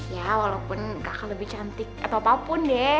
ya walaupun kakak lebih cantik atau apapun deh